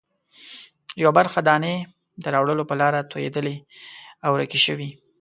یوه برخه دانې د راوړلو په لاره توېدلې او ورکې شوې.